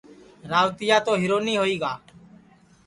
روتیا تو ہیرونی ہوئی گا